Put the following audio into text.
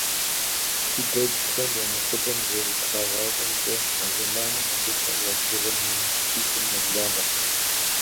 Тхыдэджхэм я нэхъыбэм зэрытрагъащӏэмкӏэ, а зэманым абыхэм я бжыгъэр мин щитӏым нэблагъэрт.